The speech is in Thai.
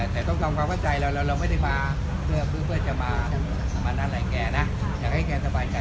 แต่ต้องทำความเข้าใจเราแล้วเราไม่ได้มาเพื่อจะมานั่งอะไรแกนะอยากให้แกสบายใจ